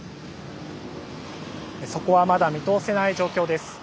そこはまだ見通せない状況です。